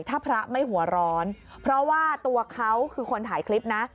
ถ้าพระไม่หัวร้อนเพราะว่าตัวเขาคือคนถ่ายคลิปนะ